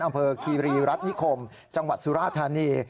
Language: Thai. อำเภอคีรีรัฐนิคมจังหวัดสุราธานี